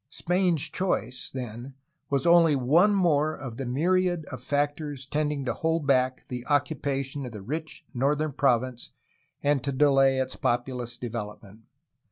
Spain's choice, then, was only one more of the myriad of factors tending to hold back the occupation of the rich northern province and to delay its populous development.